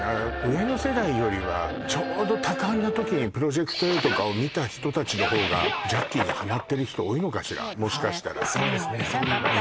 上の世代よりはちょうど多感な時に「プロジェクトＡ」とかを見た人たちの方がジャッキーにはまってる人多いのかしらもしかしたらそうですねそう思います